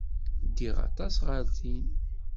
Ddiɣ aṭas ɣer din.